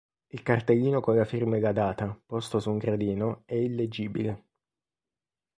Il cartellino con la firma e la data, posto su un gradino, è illeggibile.